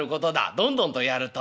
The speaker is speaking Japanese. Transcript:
どんどんとやるといい。